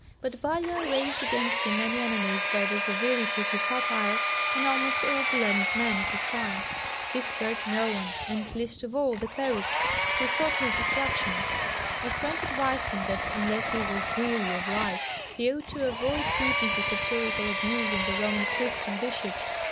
But Valla raised against him many enemies by the severity of his satire on almost all the learned men of his time. He spared no one, and least of all the clerics, who sought his destruction. A friend advised him that, unless he was weary of life, he ought to avoid heaping his satirical abuse on the Roman priests and bishops.